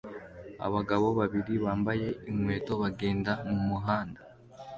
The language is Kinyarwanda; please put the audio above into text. Abagabo babiri bambaye inkweto bagenda mumuhanda